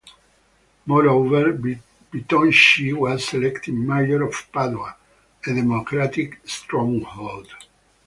Moreover, Bitonci was elected mayor of Padua, a Democratic stronghold.